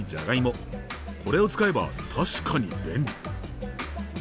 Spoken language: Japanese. これを使えば確かに便利！